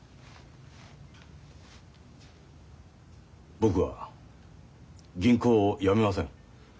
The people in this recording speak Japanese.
僕は銀行を辞めません。